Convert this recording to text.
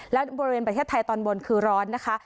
และบริเวณประเทศไทยตอนบนคือร้อนนะคะ